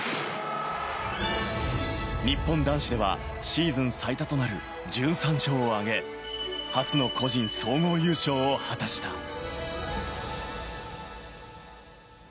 日本男子ではシーズン最多となる１３勝をあげ、初の個人総合優勝を果たした。